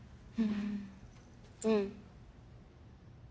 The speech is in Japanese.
うん。